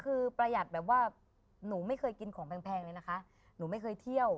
คือประหยัดแบบว่าหนูไม่เคยกินของแพงเลยนะคะหนูไม่เคยเที่ยว